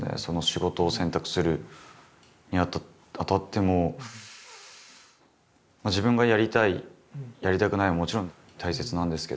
仕事を選択するにあたっても自分がやりたいやりたくないはもちろん大切なんですけど。